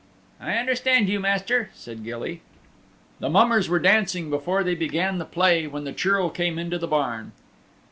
"I understand you, Master," said Gilly. The mummers were dancing before they began the play when the Churl came into the barn.